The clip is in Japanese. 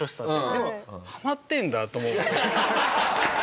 でもはまってんだと思うと。